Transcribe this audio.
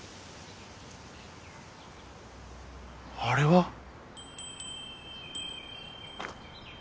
あれは。